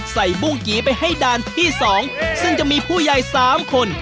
บุ้งกี่ไปให้ด่านที่๒ซึ่งจะมีผู้ใหญ่๓คน